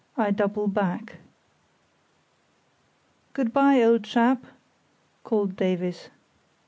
I Double Back "Good bye, old chap," called Davies.